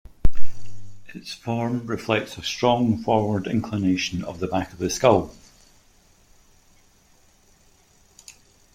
Its form reflects a strong forward inclination of the back of the skull.